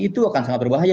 itu akan sangat berbahaya